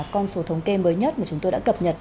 con số thống kê mới nhất mà chúng tôi đã cập nhật